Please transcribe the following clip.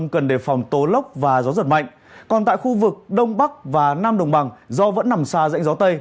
còn tại khu vực đông bắc và nam đồng bằng do vẫn nằm xa rãnh gió tây